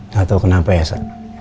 gak tahu kenapa ya sa